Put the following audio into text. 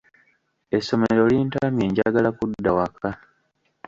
Essomero lintamye njagala kudda waka.